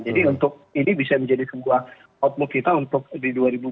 jadi untuk ini bisa menjadi kebua outlook kita untuk di dua ribu dua puluh tiga